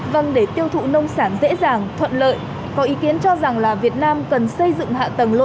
vâng để tiêu thụ nông sản dễ dàng thuận lợi có ý kiến cho rằng là việt nam cần xây dựng hạ tầng logistic các kho lạnh